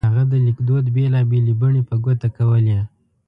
هغه د لیکدود بېلا بېلې بڼې په ګوته کولې.